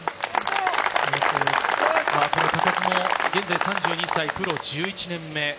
嘉数も現在３２歳、プロ１１年目。